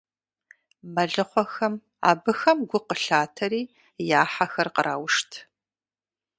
Мэлыхъуэхэм абыхэм гу къылъатэри, я хьэхэр къраушт.